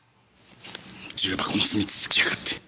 重箱の隅突きやがって！